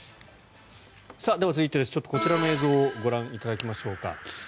では、続いて、こちらの映像をご覧いただきましょうか。